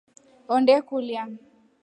Honde kulya.